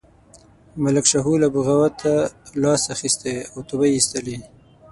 ملک شاهو له بغاوته لاس اخیستی او توبه یې ایستلې.